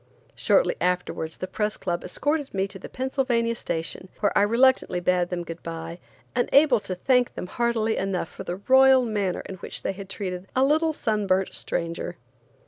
Shortly afterwards the Press Club escorted me to the Pennsylvania Station, where I reluctantly bade them good bye, unable to thank them heartily enough for the royal manner in which they had treated a little sun burnt stranger.